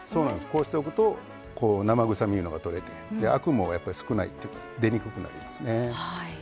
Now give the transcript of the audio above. こうしておくと生臭みがとれてアクも少ないっていうか出にくくなりますね。